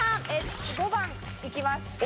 ５番いきます。